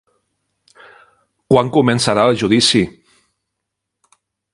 Quan començarà el judici?